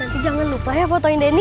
nanti jangan lupa ya fotoin denny